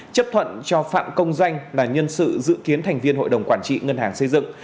chấp thuận cho phạm công doanh là nhân sự dự kiến thành viên hội đồng quản trị ngân hàng xây dựng